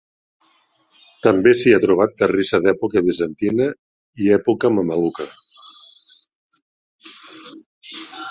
També s'hi ha trobat terrissa d'època bizantina i època mameluca.